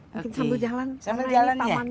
mungkin sambut jalan